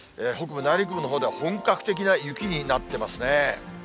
北部、内陸部のほうでは、本格的な雪になってますね。